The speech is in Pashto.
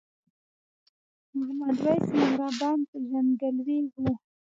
محمد وېس مهربان پیژندګلوي وه.